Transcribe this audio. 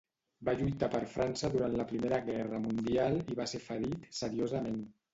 Va lluitar per França durant Primera Guerra Mundial i va ser ferit seriosament.